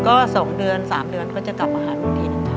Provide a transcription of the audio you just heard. ก็สองเดือนสามเดือนก็จะกลับมาหาลูกที่